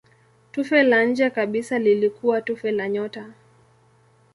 Tufe la nje kabisa lilikuwa tufe la nyota.